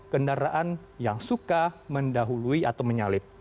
kendaraan yang suka mendahului atau menyalip